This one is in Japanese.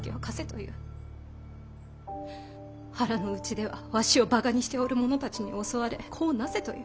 腹の内ではわしをバカにしておる者たちに襲われ子をなせという。